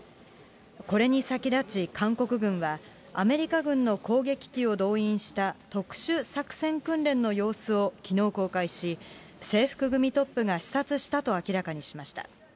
これに先立ち、韓国軍はアメリカ軍の攻撃機を動員した特殊作戦訓練の様子をきのう公開し、制服組トップが視察したと明らかにしました。